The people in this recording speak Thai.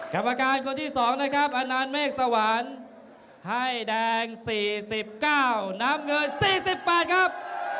กรรมการคนที่๒นะครับอนานเมฆสวรรค์ให้แดง๔๙น้ำเงิน๔๘ครับ